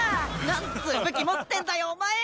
なんつう武器持ってんだよお前。